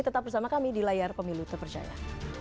tetap bersama kami di layar pemilu terpercaya